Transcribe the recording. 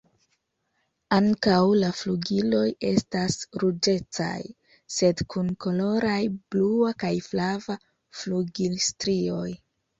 Ankaŭ la flugiloj estas ruĝecaj sed kun koloraj blua kaj flava flugilstrioj.